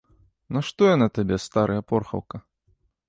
Нашто яна табе, старая порхаўка?